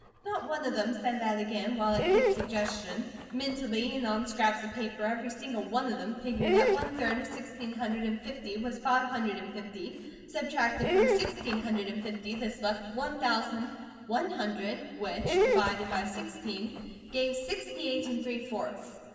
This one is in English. Not one of them said that again, while at Kate's suggestion, mentally and on scraps of paper, every single one of them figured that one third of sixteen hundred and fifty was five hundred and fifty; subtracted from sixteen hundred and fifty this left one thousand one hundred, which, divided by sixteen, gave sixty eight and three fourths.